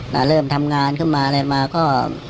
มาเริ่มทำงานขึ้นมาอะไรมาก็